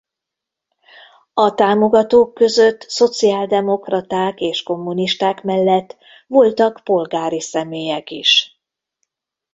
A támogatók között szociáldemokraták és kommunisták mellett voltak polgári személyek is.